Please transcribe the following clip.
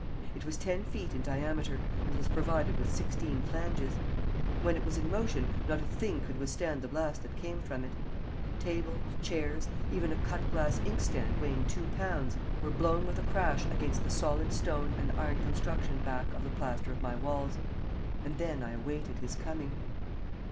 It was ten feet in diameter, and was provided with sixteen flanges. When it was in motion not a thing could withstand the blast that came from it. Tables, chairs, even a cut glass inkstand weighing two pounds, were blown with a crash against the solid stone and iron construction back of the plaster of my walls. And then I awaited his coming.